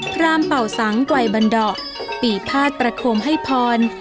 พราหมณ์เป่าสังควัยบันดะปีภาษณ์ประโคมให้พร